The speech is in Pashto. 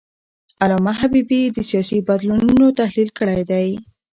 علامه حبیبي د سیاسي بدلونونو تحلیل کړی دی.